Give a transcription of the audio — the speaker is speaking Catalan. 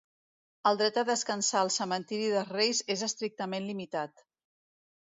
El dret a descansar al cementiri dels Reis és estrictament limitat.